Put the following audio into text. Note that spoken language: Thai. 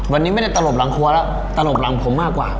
วันนี้ไม่ได้ตลบหลังครัวแล้วตลบหลังผมมากกว่า